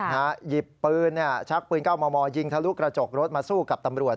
หยิบปืนชักปืน๙มมยิงทะลุกระจกรถมาสู้กับตำรวจ